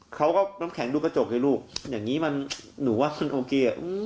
เขาก็ต้องแข็งดูกระจกให้ลูกอย่างนี้มันหนูว่ามันโอเค